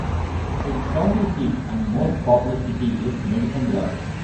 Its county seat and most populous city is Medicine Lodge.